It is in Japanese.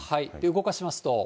動かしますと。